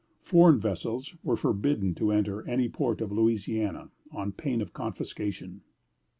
Foreign vessels were forbidden to enter any port of Louisiana, on pain of confiscation.